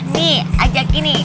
nih ajak gini